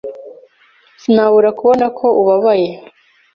Sinabura kubona ko ubabaye.